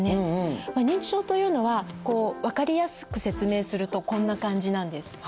認知症というのは分かりやすく説明するとこんな感じなんです。